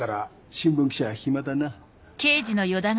新聞記者は暇だな。